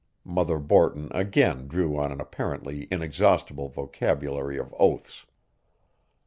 Mother Borton again drew on an apparently inexhaustible vocabulary of oaths.